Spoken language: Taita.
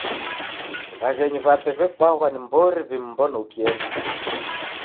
W'aghenyu w'ape w'ebwaghwa ni mbori w'imbona ukienda.